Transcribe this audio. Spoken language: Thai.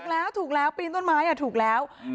ถูกแล้วถูกแล้วปีนต้นไม้ถูกแล้ว